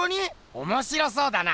おもしろそうだな。